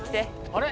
あれ？